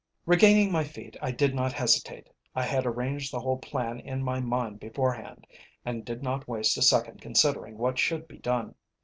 _ Regaining my feet I did not hesitate. I had arranged the whole plan in my mind beforehand, and did not waste a second considering what should be done.